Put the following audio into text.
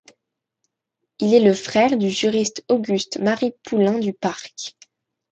Il est le frère du juriste Auguste-Marie Poullain-Duparc.